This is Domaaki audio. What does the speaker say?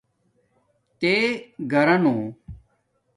تے گھرانو